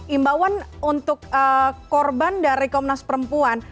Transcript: imbauan untuk korban dari komnas perempuan